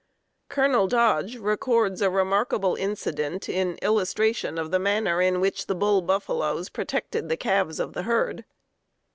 Colonel Dodge records a remarkable incident in illustration of the manner in which the bull buffaloes protected the calves of the herd.